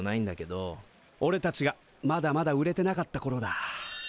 おれたちがまだまだ売れてなかったころだ。